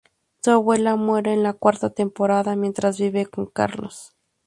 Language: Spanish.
Su abuela muere en la cuarta temporada, mientras vive con Carlos